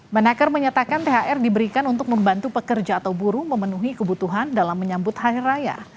menaker menyatakan thr diberikan untuk membantu pekerja atau buruh memenuhi kebutuhan dalam menyambut hari raya